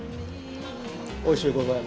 おいしゅうございます。